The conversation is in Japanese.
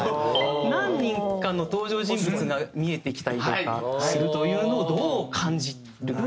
何人かの登場人物が見えてきたりとかするというのをどう感じるのか。